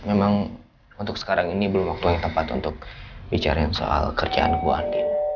memang untuk sekarang ini belum waktu yang tepat untuk bicara soal kerjaan bu andien